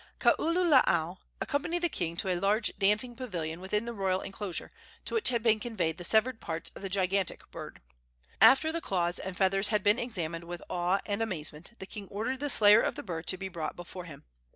Kaululaau accompanied the king to a large dancing pavilion within the royal enclosure, to which had been conveyed the severed parts of the gigantic bird. After the claws and feathers had been examined with awe and amazement, the king ordered the slayer of the bird to be brought before him.